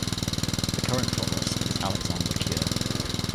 The current Provost is Alexander Kure.